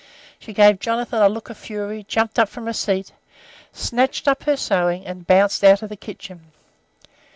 She gave Jonathan a look of fury, jumped up from her seat, snatched up her sewing, and bounced out of the kitchen.